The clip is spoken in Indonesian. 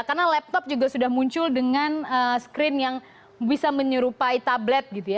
karena laptop juga sudah muncul dengan screen yang bisa menyerupai tablet gitu ya